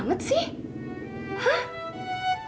pada saat ini papa